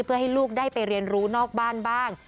เพื่อให้ลูกได้ไปเรียนรู้นอกบ้านบ้าง